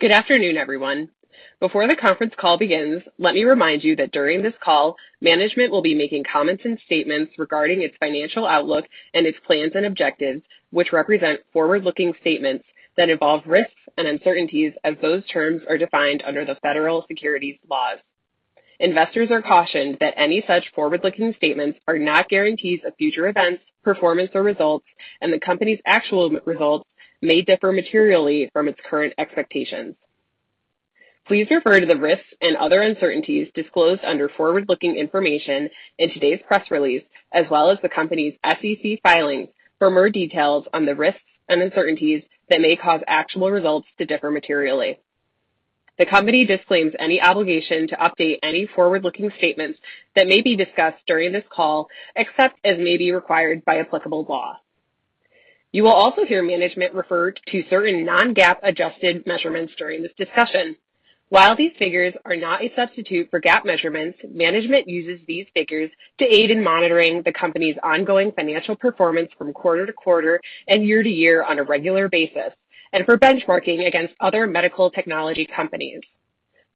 Good afternoon, everyone. Before the conference call begins, let me remind you that during this call, management will be making comments and statements regarding its financial outlook and its plans and objectives, which represent forward-looking statements that involve risks and uncertainties as those terms are defined under the federal securities laws. Investors are cautioned that any such forward-looking statements are not guarantees of future events, performance or results, and the company's actual results may differ materially from its current expectations. Please refer to the risks and other uncertainties disclosed under forward-looking information in today's press release, as well as the company's SEC filings for more details on the risks and uncertainties that may cause actual results to differ materially. The company disclaims any obligation to update any forward-looking statements that may be discussed during this call, except as may be required by applicable law. You will also hear management refer to certain non-GAAP adjusted measurements during this discussion. While these figures are not a substitute for GAAP measurements, management uses these figures to aid in monitoring the company's ongoing financial performance from quarter to quarter and year to year on a regular basis and for benchmarking against other medical technology companies.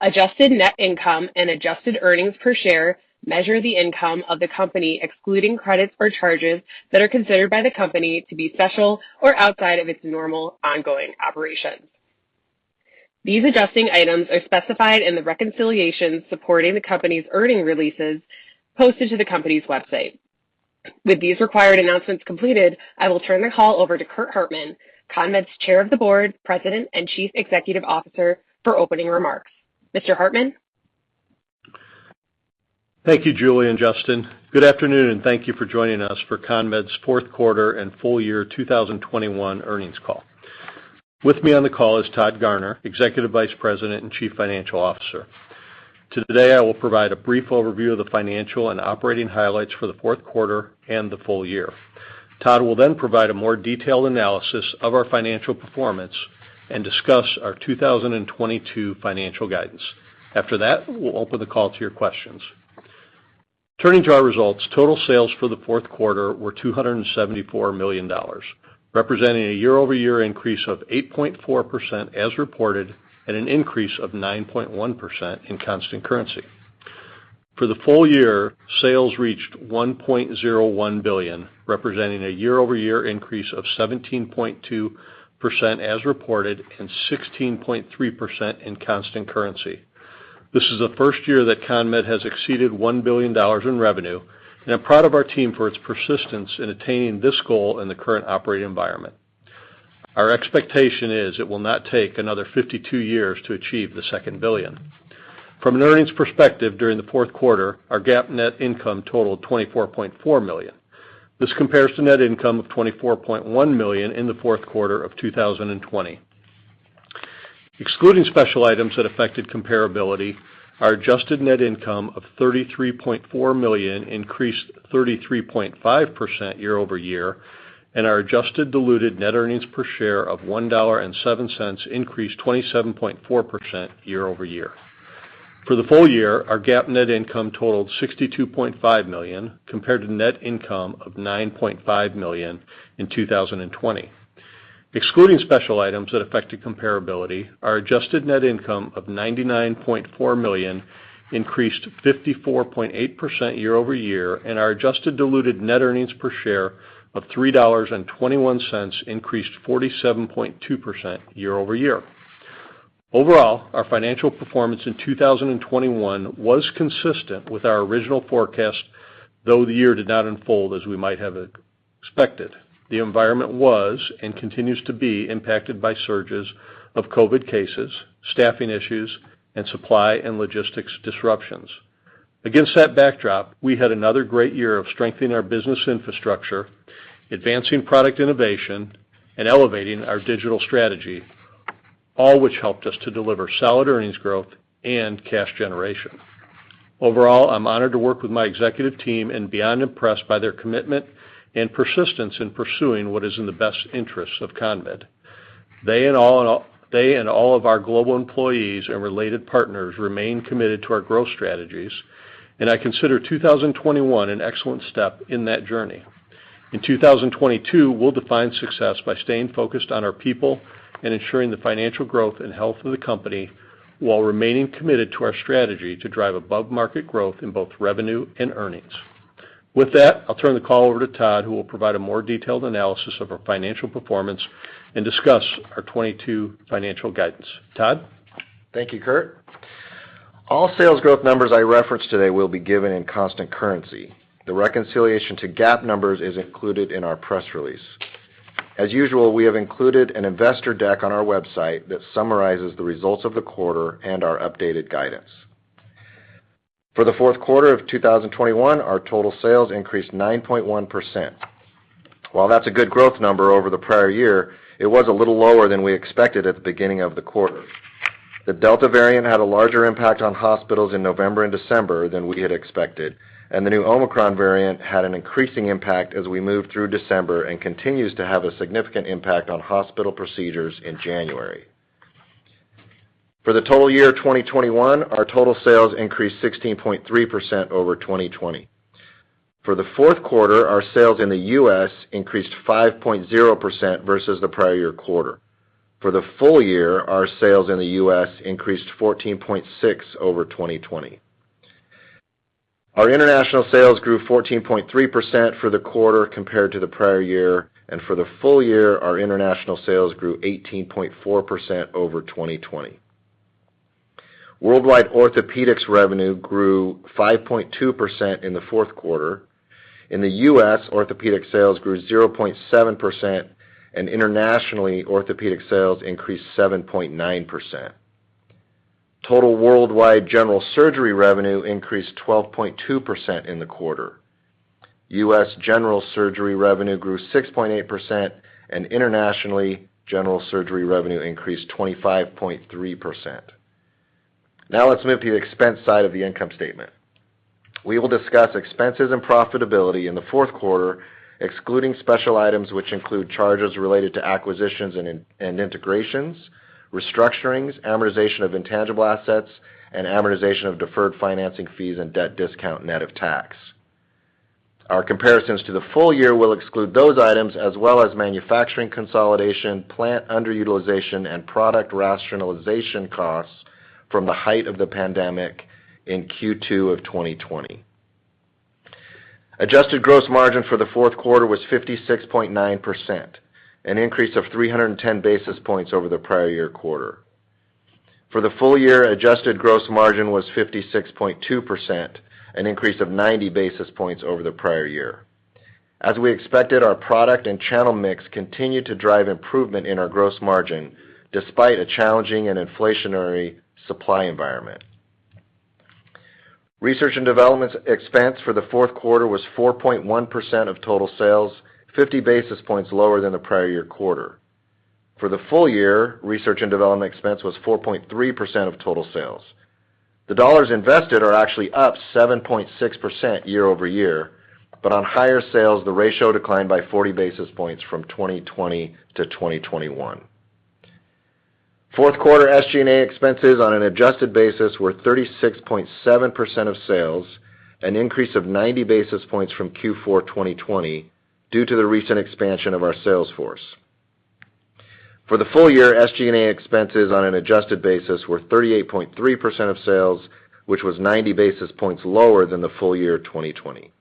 Adjusted net income and adjusted earnings per share measure the income of the company, excluding credits or charges that are considered by the company to be special or outside of its normal ongoing operations. These adjusting items are specified in the reconciliation supporting the company's earnings releases posted to the company's website. With these required announcements completed, I will turn the call over to Curt Hartman, CONMED's Chair of the Board, President, and Chief Executive Officer, for opening remarks. Mr. Hartman? Thank you, Julie and Justin. Good afternoon, and thank you for joining us for CONMED's fourth quarter and full year 2021 earnings call. With me on the call is Todd Garner, Executive Vice President and Chief Financial Officer. Today, I will provide a brief overview of the financial and operating highlights for the fourth quarter and the full year. Todd will then provide a more detailed analysis of our financial performance and discuss our 2022 financial guidance. After that, we'll open the call to your questions. Turning to our results, total sales for the fourth quarter were $274 million, representing a year-over-year increase of 8.4% as reported, and an increase of 9.1% in constant currency. For the full year, sales reached $1.01 billion, representing a year-over-year increase of 17.2% as reported, and 16.3% in constant currency. This is the first year that CONMED has exceeded $1 billion in revenue, and I'm proud of our team for its persistence in attaining this goal in the current operating environment. Our expectation is it will not take another 52 years to achieve the second billion. From an earnings perspective, during the fourth quarter, our GAAP net income totaled $24.4 million. This compares to net income of $24.1 million in the fourth quarter of 2020. Excluding special items that affected comparability, our adjusted net income of $33.4 million increased 33.5% year-over-year, and our adjusted diluted net earnings per share of $1.07 increased 27.4% year-over-year. For the full year, our GAAP net income totaled $62.5 million compared to net income of $9.5 million in 2020. Excluding special items that affected comparability, our adjusted net income of $99.4 million increased 54.8% year-over-year, and our adjusted diluted net earnings per share of $3.21 increased 47.2% year-over-year. Overall, our financial performance in 2021 was consistent with our original forecast, though the year did not unfold as we might have expected. The environment was and continues to be impacted by surges of COVID cases, staffing issues, and supply and logistics disruptions. Against that backdrop, we had another great year of strengthening our business infrastructure, advancing product innovation, and elevating our digital strategy, all which helped us to deliver solid earnings growth and cash generation. Overall, I'm honored to work with my executive team and beyond impressed by their commitment and persistence in pursuing what is in the best interests of CONMED. They and all of our global employees and related partners remain committed to our growth strategies, and I consider 2021 an excellent step in that journey. In 2022, we'll define success by staying focused on our people and ensuring the financial growth and health of the company while remaining committed to our strategy to drive above-market growth in both revenue and earnings. With that, I'll turn the call over to Todd, who will provide a more detailed analysis of our financial performance and discuss our 2022 financial guidance. Todd? Thank you, Curt. All sales growth numbers I reference today will be given in constant currency. The reconciliation to GAAP numbers is included in our press release. As usual, we have included an investor deck on our website that summarizes the results of the quarter and our updated guidance. For the fourth quarter of 2021, our total sales increased 9.1%. While that's a good growth number over the prior year, it was a little lower than we expected at the beginning of the quarter. The Delta variant had a larger impact on hospitals in November and December than we had expected, and the new Omicron variant had an increasing impact as we moved through December and continues to have a significant impact on hospital procedures in January. For the total year 2021, our total sales increased 16.3% over 2020. For the fourth quarter, our sales in the U.S. increased 5.0% versus the prior-year quarter. For the full year, our sales in the U.S. increased 14.6% over 2020. Our international sales grew 14.3% for the quarter compared to the prior year, and for the full year, our international sales grew 18.4% over 2020. Worldwide Orthopedics revenue grew 5.2% in the fourth quarter. In the U.S., Orthopedics sales grew 0.7%, and internationally, Orthopedics sales increased 7.9%. Total worldwide General Surgery revenue increased 12.2% in the quarter. U.S. General Surgery revenue grew 6.8%, and internationally, General Surgery revenue increased 25.3%. Now let's move to the expense side of the income statement. We will discuss expenses and profitability in the fourth quarter, excluding special items which include charges related to acquisitions and integrations, restructurings, amortization of intangible assets, and amortization of deferred financing fees and debt discount net of tax. Our comparisons to the full year will exclude those items as well as manufacturing consolidation, plant underutilization, and product rationalization costs from the height of the pandemic in Q2 of 2020. Adjusted gross margin for the fourth quarter was 56.9%, an increase of 310 basis points over the prior year quarter. For the full year, adjusted gross margin was 56.2%, an increase of 90 basis points over the prior year. As we expected, our product and channel mix continued to drive improvement in our gross margin despite a challenging and inflationary supply environment. Research and development expense for the fourth quarter was 4.1% of total sales, 50 basis points lower than the prior year quarter. For the full year, research and development expense was 4.3% of total sales. The dollars invested are actually up 7.6% year-over-year, but on higher sales, the ratio declined by 40 basis points from 2020 - 2021. Fourth quarter SG&A expenses on an adjusted basis were 36.7% of sales, an increase of 90 basis points from Q4 2020 due to the recent expansion of our sales force. For the full year, SG&A expenses on an adjusted basis were 38.3% of sales, which was 90 basis points lower than the full year 2020.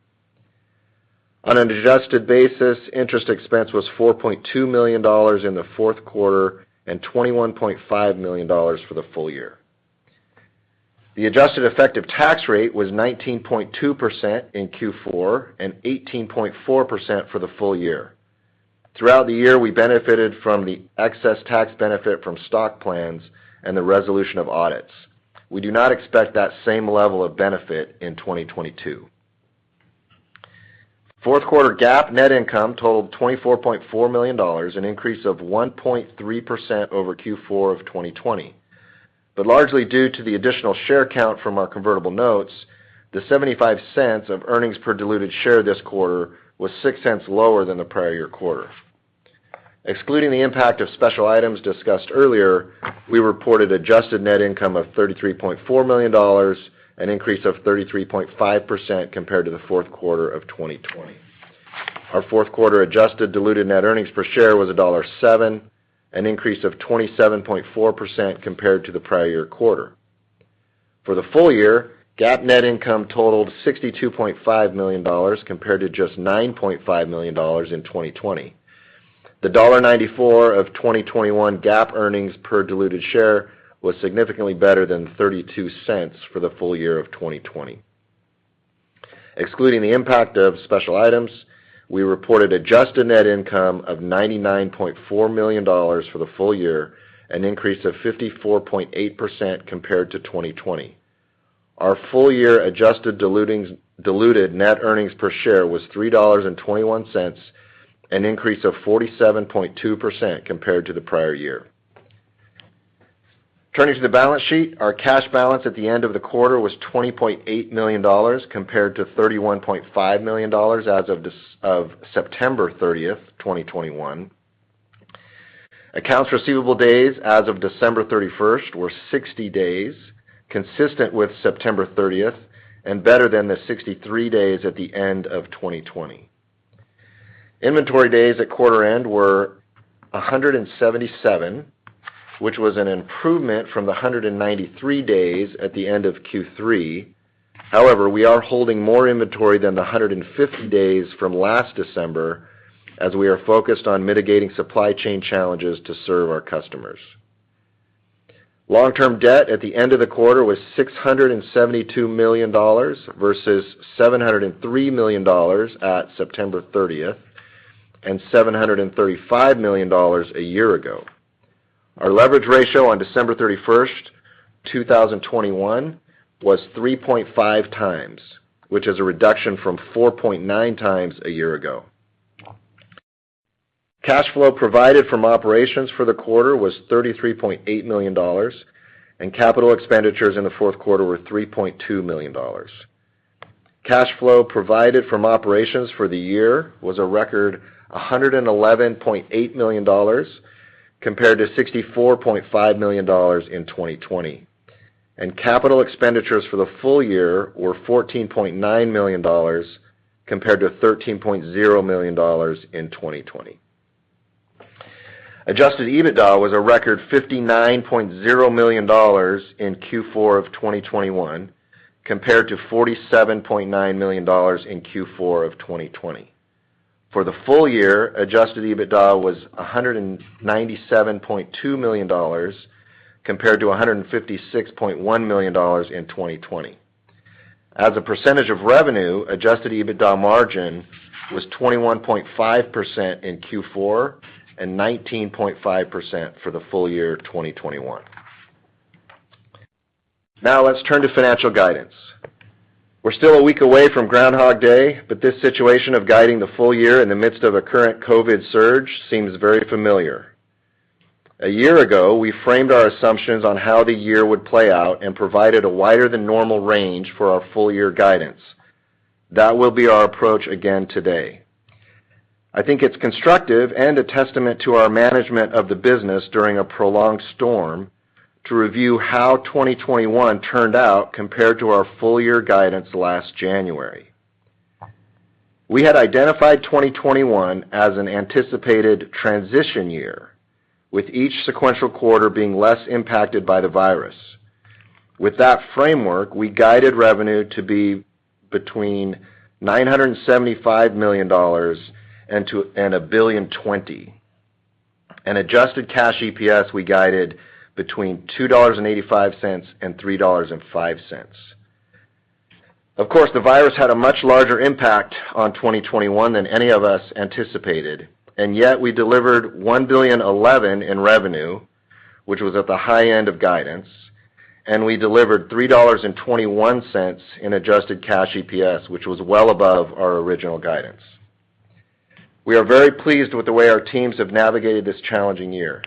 On an adjusted basis, interest expense was $4.2 million in the fourth quarter and $21.5 million for the full year. The adjusted effective tax rate was 19.2% in Q4 and 18.4% for the full year. Throughout the year, we benefited from the excess tax benefit from stock plans and the resolution of audits. We do not expect that same level of benefit in 2022. Fourth quarter GAAP net income totaled $24.4 million, an increase of 1.3% over Q4 of 2020. Largely due to the additional share count from our convertible notes, the $0.75 of earnings per diluted share this quarter was $0.06 lower than the prior year quarter. Excluding the impact of special items discussed earlier, we reported adjusted net income of $33.4 million, an increase of 33.5% compared to the fourth quarter of 2020. Our fourth quarter adjusted diluted net earnings per share was $1.07, an increase of 27.4% compared to the prior year quarter. For the full year, GAAP net income totaled $62.5 million compared to just $9.5 million in 2020. The $1.94 of 2021 GAAP earnings per diluted share was significantly better than $0.32 for the full year of 2020. Excluding the impact of special items, we reported adjusted net income of $99.4 million for the full year, an increase of 54.8% compared to 2020. Our full year adjusted diluted net earnings per share was $3.21, an increase of 47.2% compared to the prior year. Turning to the balance sheet, our cash balance at the end of the quarter was $20.8 million compared to $31.5 million as of September 30th, 2021. Accounts receivable days as of December 31st were 60 days, consistent with September 30th and better than the 63 days at the end of 2020. Inventory days at quarter end were 177, which was an improvement from the 193 days at the end of Q3. However, we are holding more inventory than 150 days from last December, as we are focused on mitigating supply chain challenges to serve our customers. Long-term debt at the end of the quarter was $672 million, versus $703 million at September 30th and $735 million a year ago. Our leverage ratio on December 31st, 2021 was 3.5 times, which is a reduction from 4.9 times a year ago. Cash flow provided from operations for the quarter was $33.8 million, and capital expenditures in the fourth quarter were $3.2 million. Cash flow provided from operations for the year was a record 111.8 million dollars compared to 64.5 million dollars in 2020. Capital expenditures for the full year were $14.9 million compared to $13.0 million in 2020. Adjusted EBITDA was a record $59.0 million in Q4 of 2021 compared to $47.9 million in Q4 of 2020. For the full year, adjusted EBITDA was $197.2 million compared to $156.1 million in 2020. As a percentage of revenue, adjusted EBITDA margin was 21.5% in Q4 and 19.5% for the full year of 2021. Now let's turn to financial guidance. We're still a week away from Groundhog Day, but this situation of guiding the full year in the midst of a current COVID surge seems very familiar. A year ago, we framed our assumptions on how the year would play out and provided a wider than normal range for our full year guidance. That will be our approach again today. I think it's constructive and a testament to our management of the business during a prolonged storm to review how 2021 turned out compared to our full year guidance last January. We had identified 2021 as an anticipated transition year, with each sequential quarter being less impacted by the virus. With that framework, we guided revenue to be between $975 million - $1.02 billion. Adjusted cash EPS, we guided between $2.85 - $3.05. Of course, the virus had a much larger impact on 2021 than any of us anticipated, and yet we delivered $1.011 billion in revenue, which was at the high end of guidance. We delivered $3.21 in adjusted cash EPS, which was well above our original guidance. We are very pleased with the way our teams have navigated this challenging year.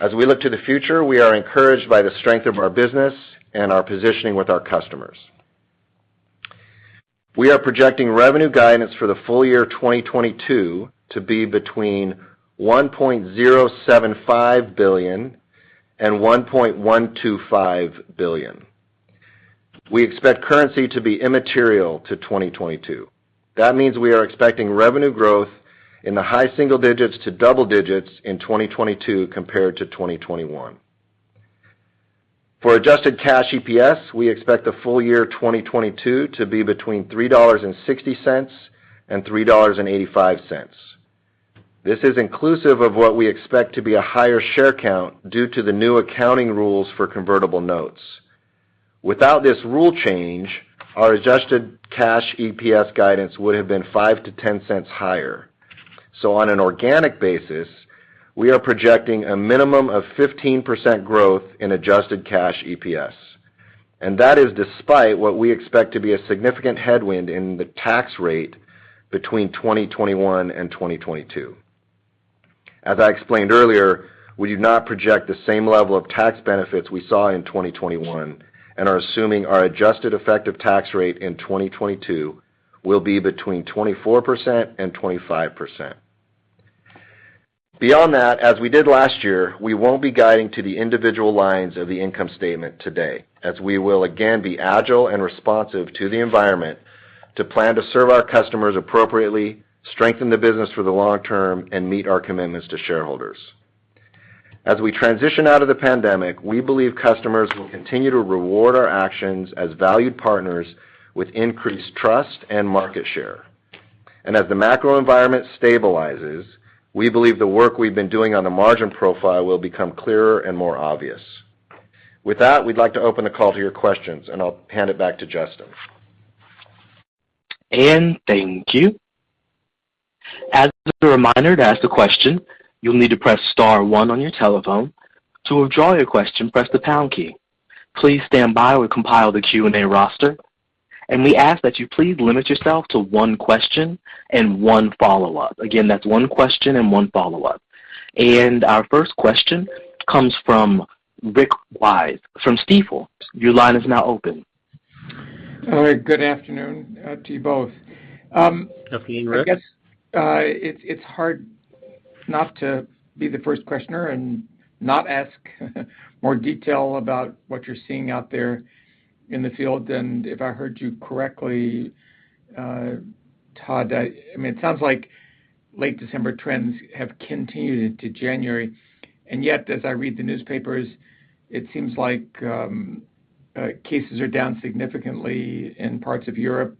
As we look to the future, we are encouraged by the strength of our business and our positioning with our customers. We are projecting revenue guidance for the full year 2022 to be between $1.075 billion - $1.125 billion. We expect currency to be immaterial to 2022. That means we are expecting revenue growth in the high single digits% to double digits% in 2022 compared to 2021. For adjusted cash EPS, we expect the full year 2022 to be between $3.60 - $3.85. This is inclusive of what we expect to be a higher share count due to the new accounting rules for convertible notes. Without this rule change, our adjusted cash EPS guidance would have been 5-10 cents higher. So on an organic basis, we are projecting a minimum of 15% growth in adjusted cash EPS. That is despite what we expect to be a significant headwind in the tax rate between 2021 - 2022. As I explained earlier, we do not project the same level of tax benefits we saw in 2021 and are assuming our adjusted effective tax rate in 2022 will be between 24% - 25%. Beyond that, as we did last year, we won't be guiding to the individual lines of the income statement today, as we will again be agile and responsive to the environment to plan to serve our customers appropriately, strengthen the business for the long term, and meet our commitments to shareholders. As we transition out of the pandemic, we believe customers will continue to reward our actions as valued partners with increased trust and market share. As the macro environment stabilizes, we believe the work we've been doing on the margin profile will become clearer and more obvious. With that, we'd like to open the call to your questions, and I'll hand it back to Justin. Thank you. As a reminder, to ask a question, you'll need to press star one on your telephone. To withdraw your question, press the pound key. Please stand by. We'll compile the Q&A roster. We ask that you please limit yourself to one question and one follow-up. Again, that's one question and one follow-up. Our first question comes from Rick Wise from Stifel. Your line is now open. All right. Good afternoon, to you both. Good afternoon, Rick. I guess it's hard not to be the first questioner and not ask more detail about what you're seeing out there in the field. If I heard you correctly, Todd, I mean, it sounds like late December trends have continued into January. Yet, as I read the newspapers, it seems like cases are down significantly in parts of Europe,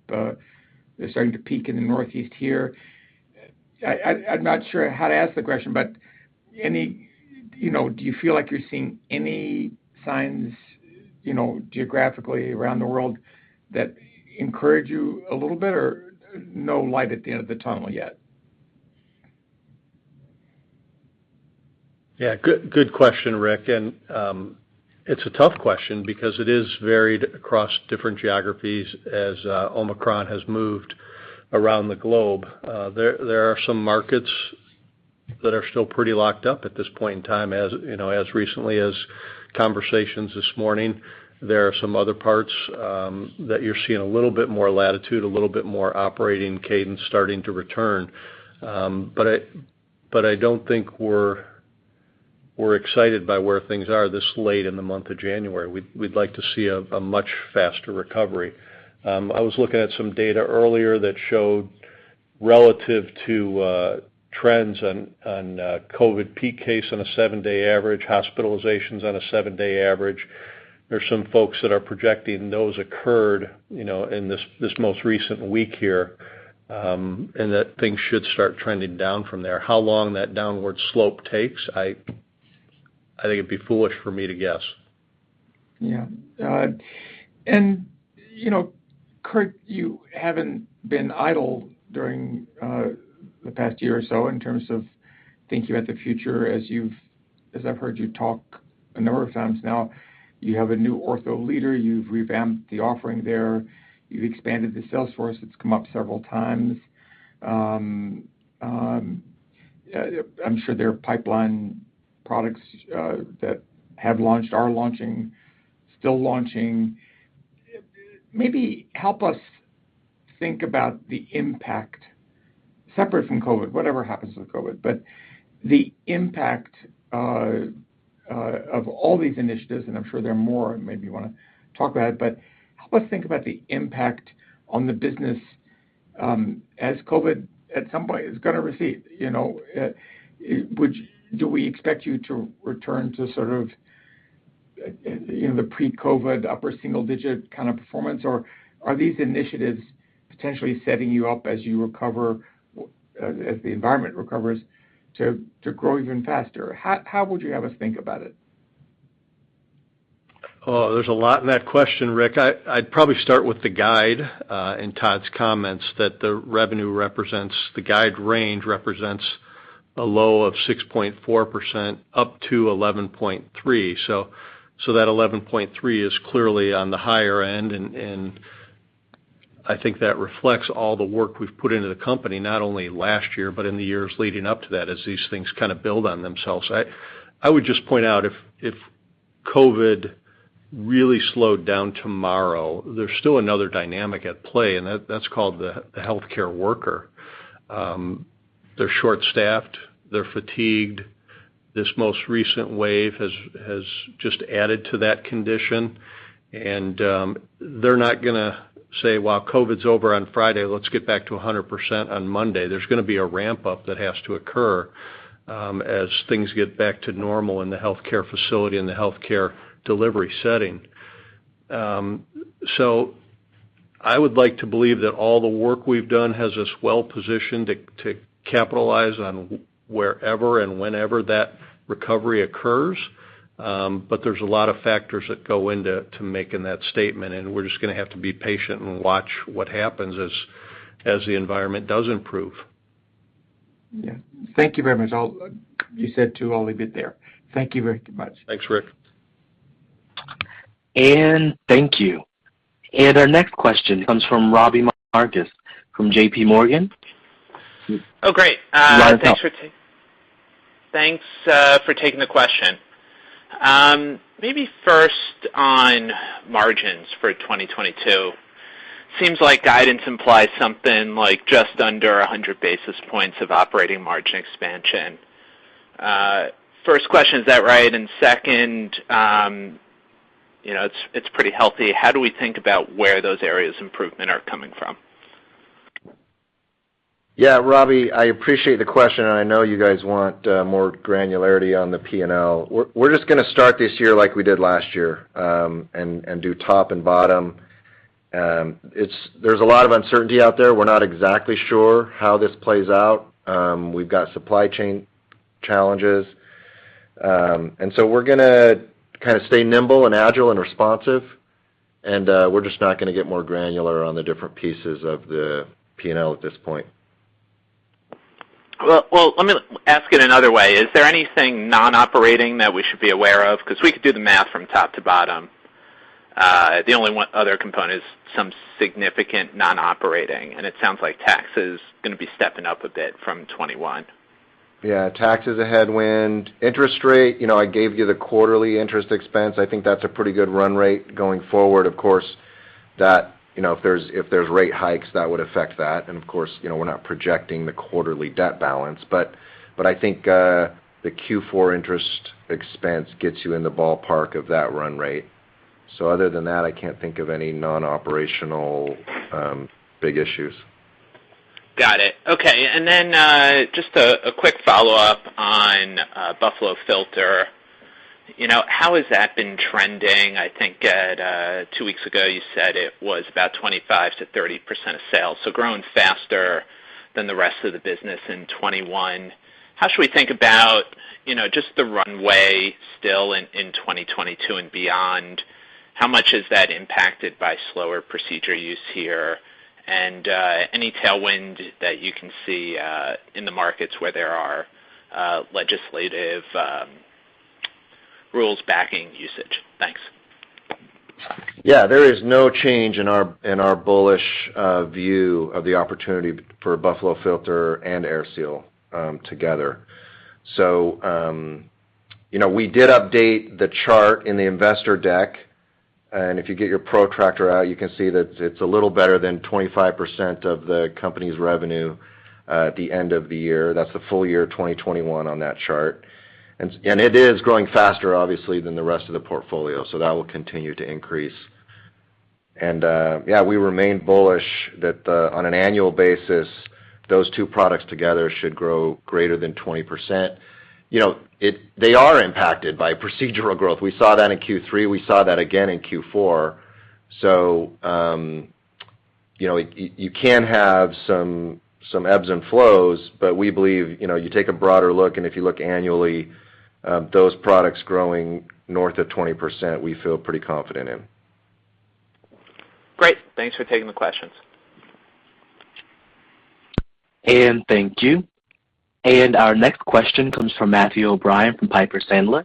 they're starting to peak in the Northeast here. I'm not sure how to ask the question, but you know, do you feel like you're seeing any signs, you know, geographically around the world that encourage you a little bit or no light at the end of the tunnel yet? Yeah, good question, Rick. It's a tough question because it is varied across different geographies as Omicron has moved around the globe. There are some markets That are still pretty locked up at this point in time as you know, as recently as conversations this morning. There are some other parts that you're seeing a little bit more latitude, a little bit more operating cadence starting to return. I don't think we're excited by where things are this late in the month of January. We'd like to see a much faster recovery. I was looking at some data earlier that showed relative to trends on COVID peak case on a seven-day average, hospitalizations on a seven-day average. There's some folks that are projecting those occurred you know in this most recent week here, and that things should start trending down from there. How long that downward slope takes, I think it'd be foolish for me to guess. Yeah. You know, Curt, you haven't been idle during the past year or so in terms of thinking about the future as I've heard you talk a number of times now. You have a new ortho leader, you've revamped the offering there, you've expanded the sales force. It's come up several times. I'm sure there are pipeline products that have launched, are launching, still launching. Maybe help us think about the impact separate from COVID, whatever happens with COVID, but the impact of all these initiatives, and I'm sure there are more maybe you wanna talk about, but help us think about the impact on the business, as COVID at some point is gonna recede, you know. Do we expect you to return to sort of, you know, the pre-COVID upper single digit kind of performance, or are these initiatives potentially setting you up as you recover, as the environment recovers to grow even faster? How would you have us think about it? Oh, there's a lot in that question, Rick. I'd probably start with the guide and Todd's comments that the guide range represents a low of 6.4%-11.3%. So that 11.3% is clearly on the higher end, and I think that reflects all the work we've put into the company, not only last year, but in the years leading up to that as these things kind of build on themselves. I would just point out if COVID really slowed down tomorrow, there's still another dynamic at play, and that's called the healthcare worker. They're short-staffed. They're fatigued. This most recent wave has just added to that condition, and they're not gonna say, "Well, COVID's over on Friday. Let's get back to 100% on Monday." There's gonna be a ramp-up that has to occur, as things get back to normal in the healthcare facility and the healthcare delivery setting. I would like to believe that all the work we've done has us well positioned to capitalize on wherever and whenever that recovery occurs. There's a lot of factors that go into making that statement, and we're just gonna have to be patient and watch what happens as the environment does improve. Yeah. Thank you very much. You said to all we'll be there. Thank you very much. Thanks, Rick. Thank you. Our next question comes from Robbie Marcus from JPMorgan. Oh, great. Robbie Marcus. Thanks for taking the question. Maybe first on margins for 2022. Seems like guidance implies something like just under 100 basis points of operating margin expansion. First question, is that right? Second, you know, it's pretty healthy. How do we think about where those areas of improvement are coming from? Yeah. Robbie, I appreciate the question, and I know you guys want more granularity on the P&L. We're just gonna start this year like we did last year, and do top and bottom. There's a lot of uncertainty out there. We're not exactly sure how this plays out. We've got supply chain challenges. We're gonna kind of stay nimble and agile and responsive, and we're just not gonna get more granular on the different pieces of the P&L at this point. Well, let me ask it another way. Is there anything non-operating that we should be aware of? 'Cause we could do the math from top to bottom. The only one other component is some significant non-operating, and it sounds like tax is gonna be stepping up a bit from 2021. Yeah. Tax is a headwind. Interest rate, you know, I gave you the quarterly interest expense. I think that's a pretty good run rate going forward. Of course, that, you know, if there's rate hikes, that would affect that. And of course, you know, we're not projecting the quarterly debt balance, but I think the Q4 interest expense gets you in the ballpark of that run rate. Other than that, I can't think of any non-operational big issues. Got it. Okay. Just a quick follow-up on Buffalo Filter. You know, how has that been trending? I think at two weeks ago, you said it was about 25%-30% of sales, so growing faster than the rest of the business in 2021. How should we think about, you know, just the runway still in 2022 and beyond? How much is that impacted by slower procedure use here? Any tailwind that you can see in the markets where there are legislative rules backing usage? Yeah, there is no change in our bullish view of the opportunity for Buffalo Filter and AirSeal together. You know, we did update the chart in the investor deck, and if you get your protractor out, you can see that it's a little better than 25% of the company's revenue at the end of the year. That's the full year 2021 on that chart. It is growing faster, obviously, than the rest of the portfolio, so that will continue to increase. Yeah, we remain bullish that on an annual basis, those two products together should grow greater than 20%. You know, they are impacted by procedural growth. We saw that in Q3. We saw that again in Q4. You know, you can have some ebbs and flows, but we believe, you know, you take a broader look, and if you look annually, those products growing north of 20%, we feel pretty confident in. Great. Thanks for taking the questions. Thank you. Our next question comes from Matthew O'Brien from Piper Sandler.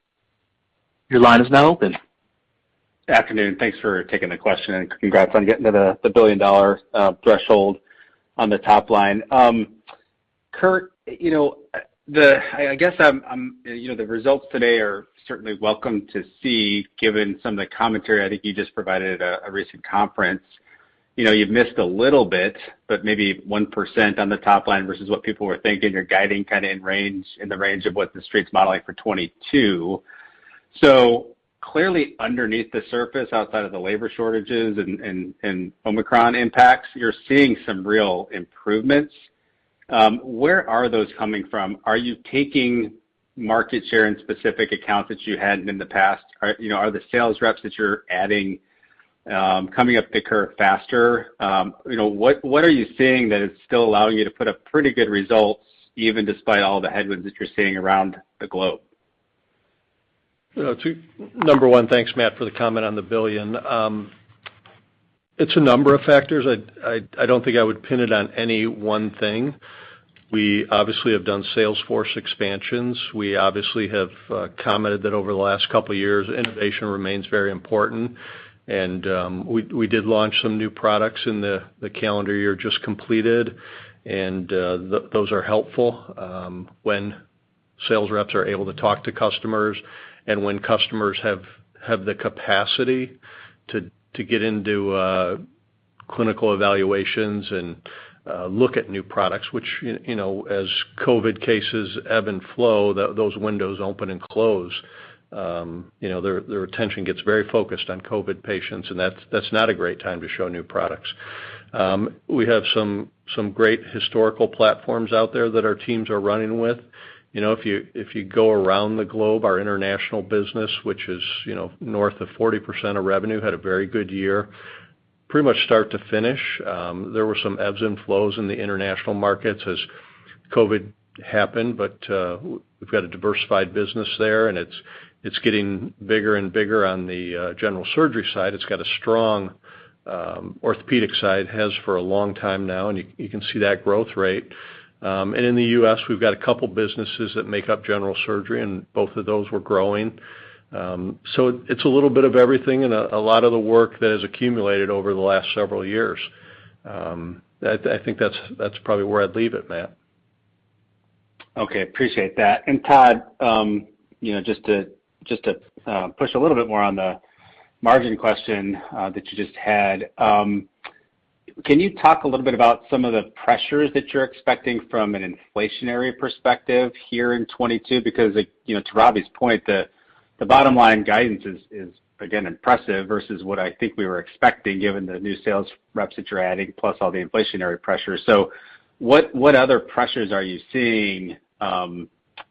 Your line is now open. afternoon. Thanks for taking the question, and congrats on getting to the billion-dollar threshold on the top line. Curt, you know, the results today are certainly welcome to see, given some of the commentary I think you just provided at a recent conference. You know, you've missed a little bit, but maybe 1% on the top line versus what people were thinking. You're guiding kind of in range, in the range of what the Street's modeling for 2022. So clearly underneath the surface, outside of the labor shortages and Omicron impacts, you're seeing some real improvements. Where are those coming from? Are you taking market share in specific accounts that you hadn't in the past? You know, are the sales reps that you're adding coming up the curve faster? You know, what are you seeing that is still allowing you to put up pretty good results, even despite all the headwinds that you're seeing around the globe? You know, number one, thanks, Matt, for the comment on the billion. It's a number of factors. I don't think I would pin it on any one thing. We obviously have done sales force expansions. We obviously have commented that over the last couple years, innovation remains very important. We did launch some new products in the calendar year just completed, and those are helpful when sales reps are able to talk to customers and when customers have the capacity to get into clinical evaluations and look at new products, which you know, as COVID cases ebb and flow, those windows open and close. You know, their attention gets very focused on COVID patients, and that's not a great time to show new products. We have some great historical platforms out there that our teams are running with. You know, if you go around the globe, our international business, which is, you know, north of 40% of revenue, had a very good year, pretty much start to finish. There were some ebbs and flows in the international markets as COVID happened, but we've got a diversified business there, and it's getting bigger and bigger on the general surgery side. It's got a strong orthopedic side, has for a long time now, and you can see that growth rate. In the U.S., we've got a couple businesses that make up general surgery, and both of those were growing. It's a little bit of everything and a lot of the work that has accumulated over the last several years. I think that's probably where I'd leave it, Matt. Okay. Appreciate that. Todd, you know, just to push a little bit more on the margin question that you just had, can you talk a little bit about some of the pressures that you're expecting from an inflationary perspective here in 2022? Because, you know, to Robbie's point, the bottom line guidance is again impressive versus what I think we were expecting given the new sales reps that you're adding plus all the inflationary pressure. What other pressures are you seeing,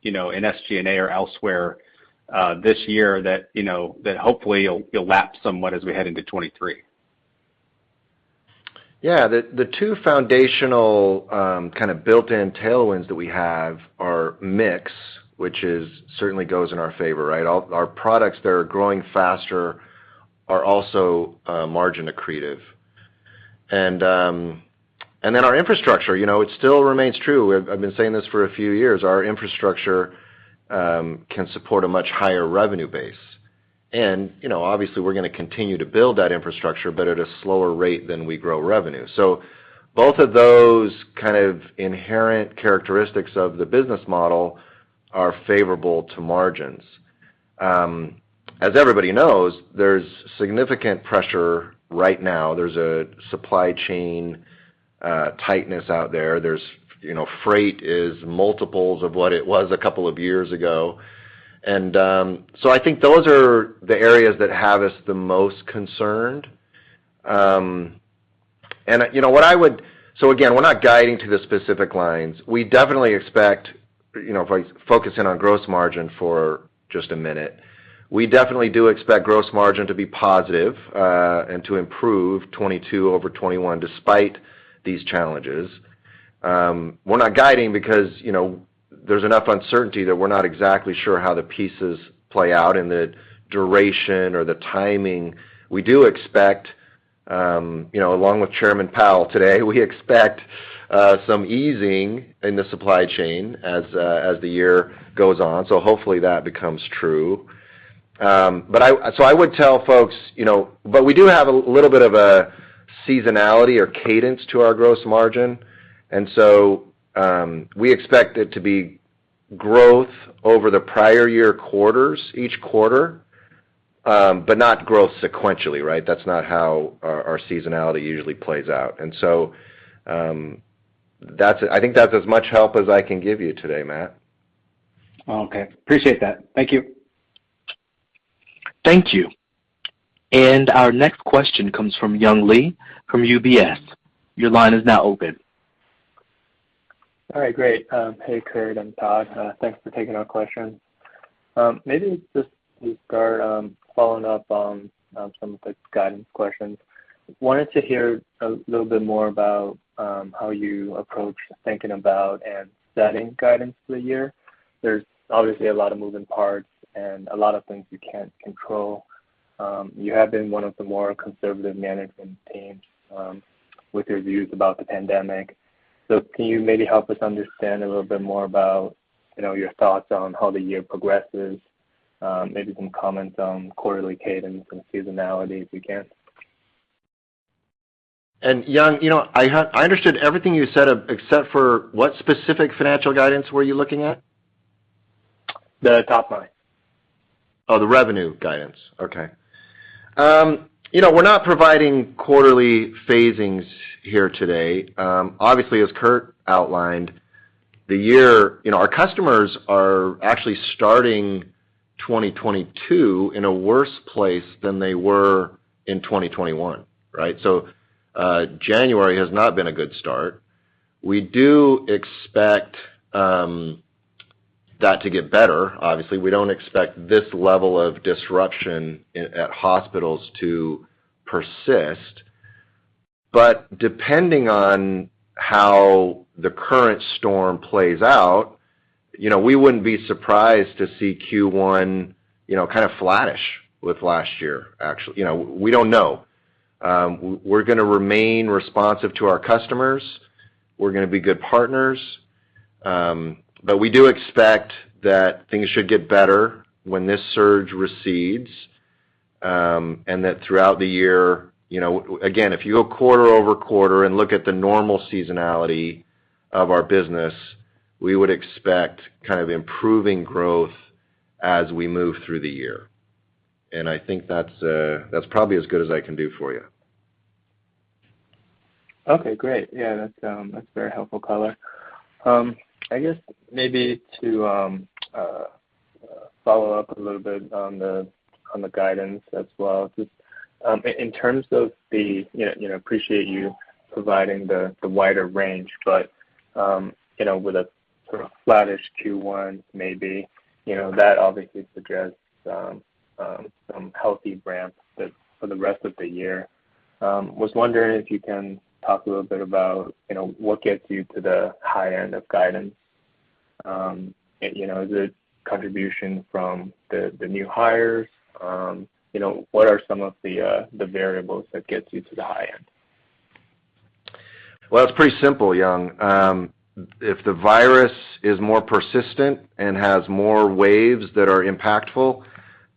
you know, in SG&A or elsewhere, this year that, you know, that hopefully you'll lap somewhat as we head into 2023? Yeah. The two foundational kind of built-in tailwinds that we have are mix, which is certainly goes in our favor, right? All our products that are growing faster are also margin accretive. Then our infrastructure, you know, it still remains true. I've been saying this for a few years. Our infrastructure can support a much higher revenue base. You know, obviously, we're gonna continue to build that infrastructure, but at a slower rate than we grow revenue. Both of those kind of inherent characteristics of the business model are favorable to margins. As everybody knows, there's significant pressure right now. There's a supply chain tightness out there. You know, freight is multiples of what it was a couple of years ago. I think those are the areas that have us the most concerned. Again, we're not guiding to the specific lines. We definitely expect, you know, if I focus in on gross margin for just a minute, we definitely do expect gross margin to be positive and to improve 2022 over 2021 despite these challenges. We're not guiding because, you know, there's enough uncertainty that we're not exactly sure how the pieces play out and the duration or the timing. We do expect, you know, along with Chairman Powell today, we expect some easing in the supply chain as the year goes on. Hopefully that becomes true. I would tell folks, you know, but we do have a little bit of a seasonality or cadence to our gross margin. We expect it to be growth over the prior year quarters each quarter, but not growth sequentially, right? That's not how our seasonality usually plays out. That's it. I think that's as much help as I can give you today, Matt. Okay. Appreciate that. Thank you. Thank you. Our next question comes from Young Li from UBS. Your line is now open. All right, great. Hey, Curt and Todd. Thanks for taking our questions. Maybe just to start, following up on some of the guidance questions. Wanted to hear a little bit more about how you approach thinking about and setting guidance for the year. There's obviously a lot of moving parts and a lot of things you can't control. You have been one of the more conservative management teams with your views about the pandemic. Can you maybe help us understand a little bit more about, you know, your thoughts on how the year progresses? Maybe some comments on quarterly cadence and seasonality if you can. Young, you know, I understood everything you said, except for what specific financial guidance were you looking at? The top line. Oh, the revenue guidance. Okay. You know, we're not providing quarterly phasings here today. Obviously, as Curt outlined, the year, you know, our customers are actually starting 2022 in a worse place than they were in 2021, right? January has not been a good start. We do expect that to get better. Obviously, we don't expect this level of disruption at hospitals to persist. Depending on how the current storm plays out, you know, we wouldn't be surprised to see Q1, you know, kind of flattish with last year, actually. You know, we don't know. We're gonna remain responsive to our customers. We're gonna be good partners. We do expect that things should get better when this surge recedes, and that throughout the year, you know. Again, if you go quarter-over-quarter and look at the normal seasonality of our business, we would expect kind of improving growth as we move through the year. I think that's probably as good as I can do for you. Okay, great. Yeah, that's a very helpful color. I guess maybe to follow up a little bit on the guidance as well. Just in terms of the, you know, I appreciate you providing the wider range, but you know, with a sort of flattish Q1 maybe, you know, that obviously suggests some healthy ramps in the rest of the year. I was wondering if you can talk a little bit about, you know, what gets you to the high end of guidance. You know, is it contribution from the new hires? You know, what are some of the variables that gets you to the high end? Well, it's pretty simple, Young. If the virus is more persistent and has more waves that are impactful,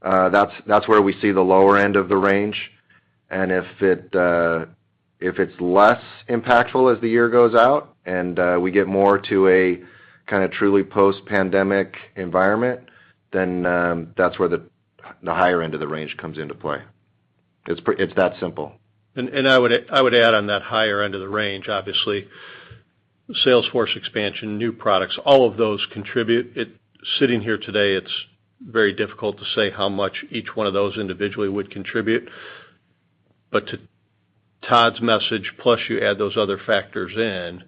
that's where we see the lower end of the range. If it's less impactful as the year goes out and we get more to a kinda truly post-pandemic environment, then that's where the higher end of the range comes into play. It's that simple. I would add on that higher end of the range, obviously, sales force expansion, new products, all of those contribute. Sitting here today, it's very difficult to say how much each one of those individually would contribute. To Todd's message, plus you add those other factors in,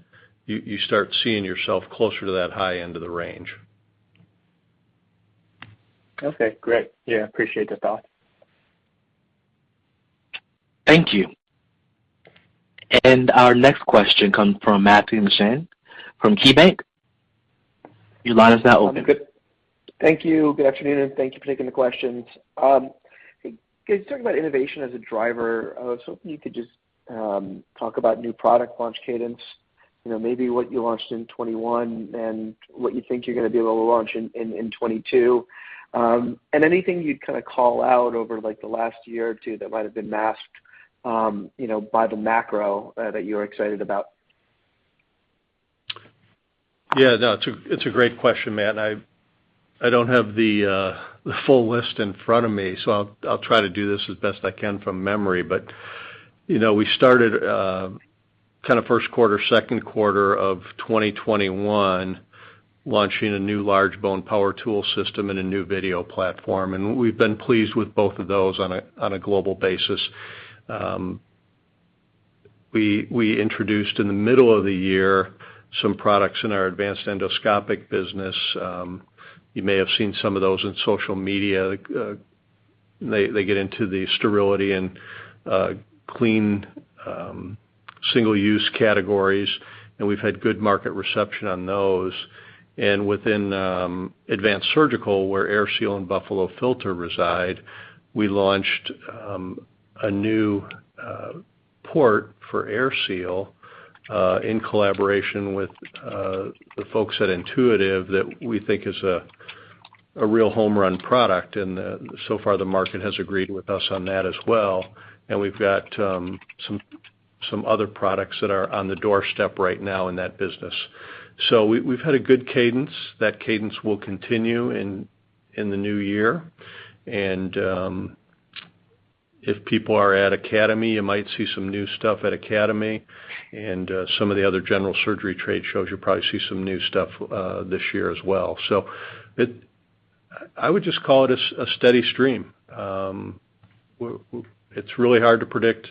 you start seeing yourself closer to that high end of the range. Okay, great. Yeah, appreciate the thought. Thank you. Our next question comes from Matthew Mishan from KeyBanc. Your line is now open. Good. Thank you. Good afternoon, and thank you for taking the questions. You guys talked about innovation as a driver. I was hoping you could just talk about new product launch cadence, you know, maybe what you launched in 2021 and what you think you're gonna be able to launch in 2022, and anything you'd kinda call out over, like, the last year or two that might have been masked, you know, by the macro, that you're excited about. Yeah, no, it's a great question, Matt. I don't have the full list in front of me, so I'll try to do this as best I can from memory. You know, we started kinda first quarter, second quarter of 2021 launching a new large bone power tool system and a new video platform, and we've been pleased with both of those on a global basis. We introduced in the middle of the year some products in our advanced endoscopic business. You may have seen some of those in social media. They get into the sterility and clean single-use categories, and we've had good market reception on those. Within advanced surgical, where AirSeal and Buffalo Filter reside, we launched a new port for AirSeal in collaboration with the folks at Intuitive that we think is a real home run product. So far the market has agreed with us on that as well. We've got some other products that are on the doorstep right now in that business. We've had a good cadence. That cadence will continue in the new year. If people are at Academy, you might see some new stuff at Academy and some of the other general surgery trade shows, you'll probably see some new stuff this year as well. I would just call it a steady stream. It's really hard to predict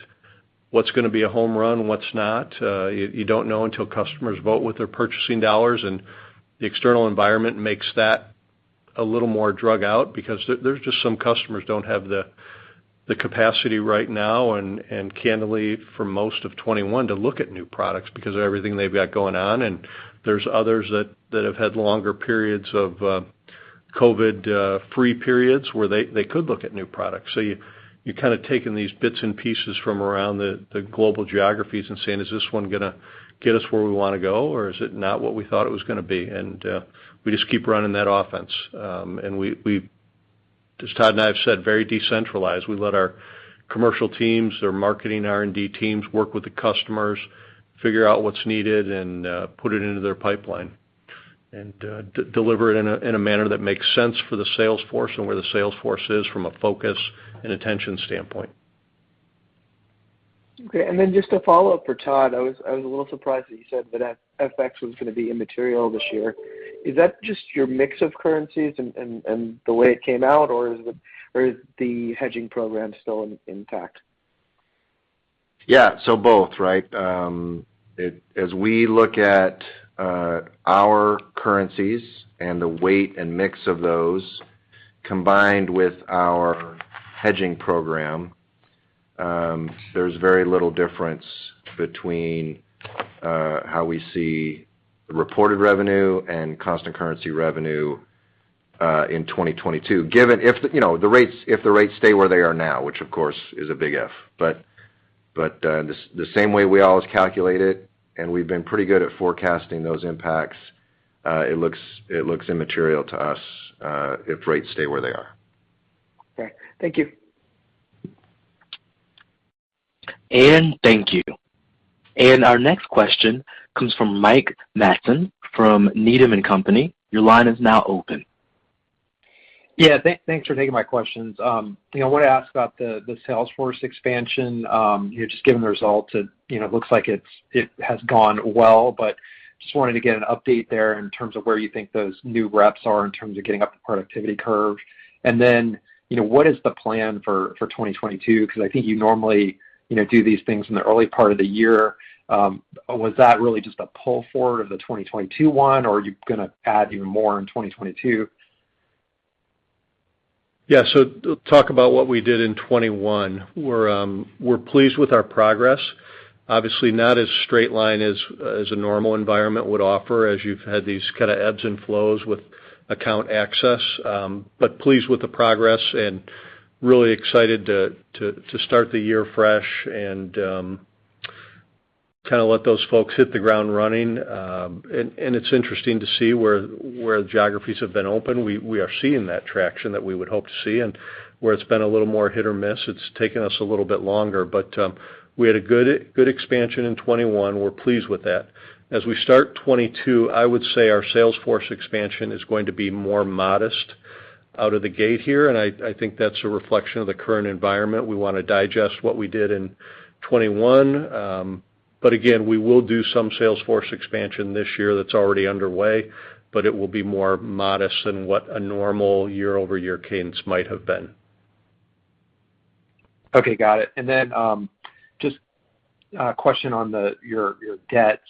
what's gonna be a home run and what's not. You don't know until customers vote with their purchasing dollars, and the external environment makes that a little more drawn out because there's just some customers don't have the capacity right now and candidly for most of 2021 to look at new products because of everything they've got going on. There's others that have had longer periods of COVID-free periods where they could look at new products. You're kind of taking these bits and pieces from around the global geographies and saying, "Is this one gonna get us where we wanna go, or is it not what we thought it was gonna be?" We just keep running that offense. We, as Todd and I have said, very decentralized. We let our commercial teams, their marketing R&D teams work with the customers, figure out what's needed, and put it into their pipeline and deliver it in a manner that makes sense for the sales force and where the sales force is from a focus and attention standpoint. Okay. Then just a follow-up for Todd. I was a little surprised that you said that FX was gonna be immaterial this year. Is that just your mix of currencies and the way it came out, or is the hedging program still intact? Yeah. Both, right? As we look at our currencies and the weight and mix of those combined with our hedging program, there's very little difference between how we see the reported revenue and constant currency revenue in 2022. Given if the rates stay where they are now, which of course is a big if. The same way we always calculate it, and we've been pretty good at forecasting those impacts, it looks immaterial to us if rates stay where they are. Okay. Thank you. Thank you. Our next question comes from Mike Matson from Needham & Company. Your line is now open. Thanks for taking my questions. You know, I wanna ask about the sales force expansion. You know, just given the results, you know, looks like it has gone well, but just wanted to get an update there in terms of where you think those new reps are in terms of getting up the productivity curve. You know, what is the plan for 2022? 'Cause I think you normally, you know, do these things in the early part of the year. Was that really just a pull forward of the 2022 one or are you gonna add even more in 2022? Yeah. Talk about what we did in 2021. We're pleased with our progress. Obviously, not as straight line as a normal environment would offer as you've had these kind of ebbs and flows with account access, but pleased with the progress and really excited to start the year fresh and kind of let those folks hit the ground running. It's interesting to see where geographies have been open. We are seeing that traction that we would hope to see. Where it's been a little more hit or miss, it's taken us a little bit longer. We had a good expansion in 2021. We're pleased with that. As we start 2022, I would say our sales force expansion is going to be more modest out of the gate here. I think that's a reflection of the current environment. We wanna digest what we did in 2021. Again, we will do some sales force expansion this year that's already underway, but it will be more modest than what a normal year-over-year cadence might have been. Okay, got it. Just a question on your debt.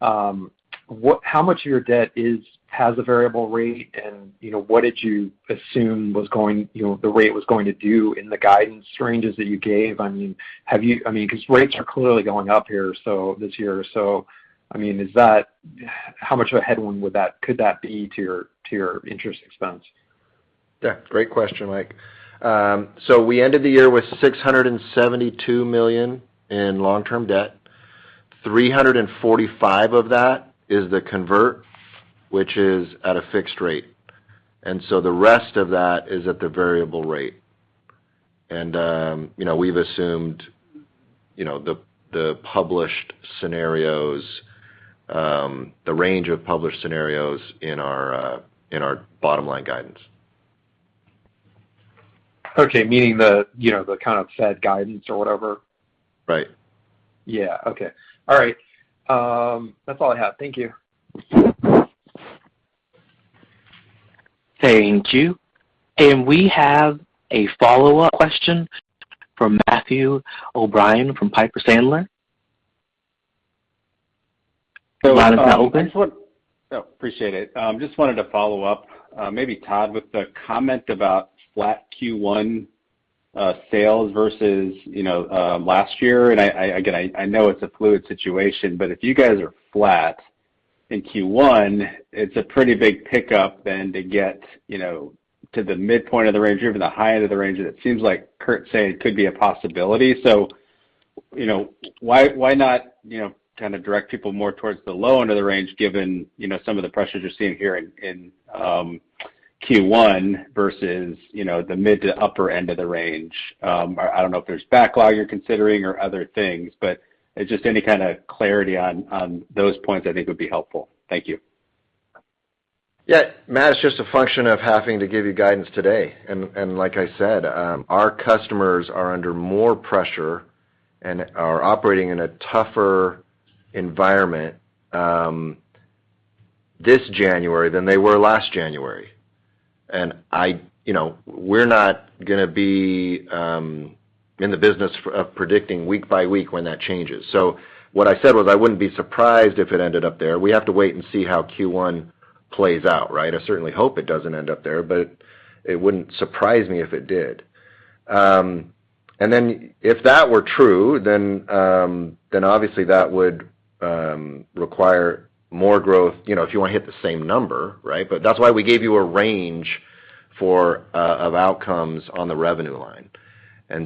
How much of your debt has a variable rate, and you know, what did you assume was going, you know, the rate was going to do in the guidance ranges that you gave? I mean, have you I mean, 'cause rates are clearly going up here, so this year. I mean, how much of a headwind would that could that be to your interest expense? Yeah, great question, Mike. We ended the year with $672 million in long-term debt. $345 of that is the convert, which is at a fixed rate. You know, we've assumed, you know, the published scenarios, the range of published scenarios in our bottom line guidance. Okay. Meaning the, you know, the kind of said guidance or whatever? Right. Yeah. Okay. All right. That's all I have. Thank you. Thank you. We have a follow-up question from Matthew O'Brien from Piper Sandler. I just want. Oh, I appreciate it. Just wanted to follow up, maybe Todd, with the comment about flat Q1 sales versus, you know, last year. I again know it's a fluid situation, but if you guys are flat in Q1, it's a pretty big pickup then to get, you know, to the midpoint of the range or even the high end of the range. It seems like Curt saying it could be a possibility. You know, why not, you know, kind of direct people more towards the low end of the range given, you know, some of the pressures you're seeing here in Q1 versus, you know, the mid to upper end of the range? I don't know if there's backlog you're considering or other things, but just any kind of clarity on those points I think would be helpful. Thank you. Yeah, Matt, it's just a function of having to give you guidance today. Like I said, our customers are under more pressure and are operating in a tougher environment this January than they were last January. You know, we're not gonna be in the business of predicting week by week when that changes. What I said was I wouldn't be surprised if it ended up there. We have to wait and see how Q1 plays out, right? I certainly hope it doesn't end up there, but it wouldn't surprise me if it did. Then if that were true, obviously that would require more growth, you know, if you wanna hit the same number, right? That's why we gave you a range of outcomes on the revenue line. you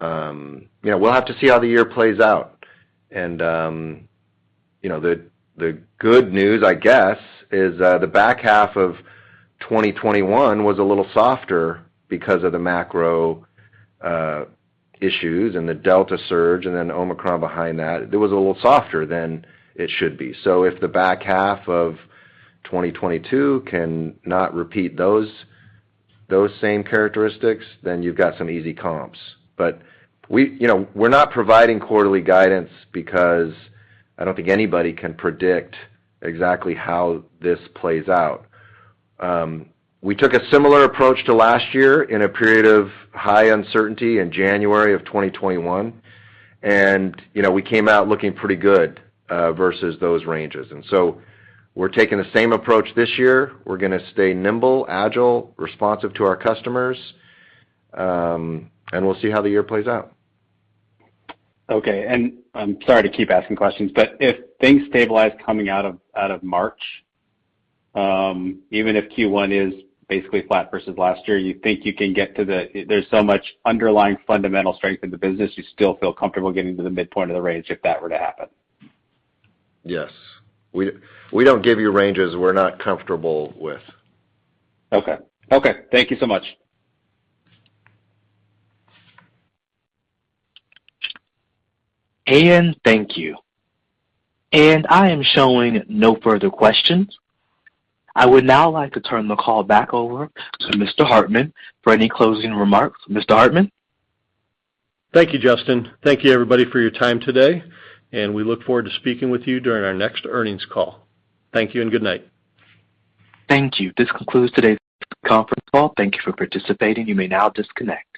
know, we'll have to see how the year plays out. you know, the good news, I guess, is the back half of 2021 was a little softer because of the macro issues and the Delta surge and then Omicron behind that. It was a little softer than it should be. If the back half of 2022 can not repeat those same characteristics, then you've got some easy comps. We, you know, we're not providing quarterly guidance because I don't think anybody can predict exactly how this plays out. We took a similar approach to last year in a period of high uncertainty in January of 2021. You know, we came out looking pretty good versus those ranges. We're taking the same approach this year. We're gonna stay nimble, agile, responsive to our customers, and we'll see how the year plays out. Okay. I'm sorry to keep asking questions, but if things stabilize coming out of March, even if Q1 is basically flat versus last year, there's so much underlying fundamental strength in the business, you still feel comfortable getting to the midpoint of the range if that were to happen? Yes. We don't give you ranges we're not comfortable with. Okay, thank you so much. Ian, thank you. I am showing no further questions. I would now like to turn the call back over to Mr. Hartman for any closing remarks. Mr. Hartman? Thank you, Justin. Thank you, everybody, for your time today, and we look forward to speaking with you during our next earnings call. Thank you and good night. Thank you. This concludes today's conference call. Thank you for participating. You may now disconnect.